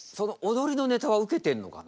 踊りのネタはウケてるのかな？